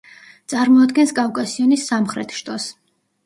წარმოადგენს კავკასიონის სამხრეთ შტოს.